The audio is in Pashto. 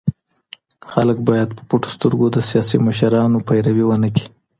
خلګ بايد په پټو سترګو د سياسي مشرانو پيروي ونه کړي.